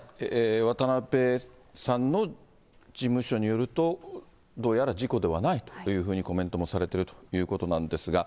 渡辺さんの事務所によると、どうやら事故ではないというふうにコメントもされているということなんですが。